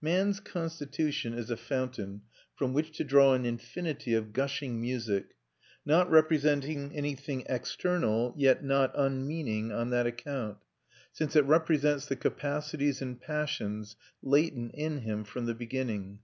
Man's constitution is a fountain from which to draw an infinity of gushing music, not representing anything external, yet not unmeaning on that account, since it represents the capacities and passions latent in him from the beginning.